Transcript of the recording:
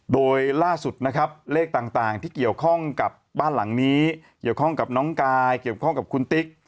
โดยล่าสุดนะครับเลขต่างที่เกี่ยวข้องกับบ้านหลังนี้เกี่ยวข้องกับน้องกายเกี่ยวข้องกับคุณติ๊ก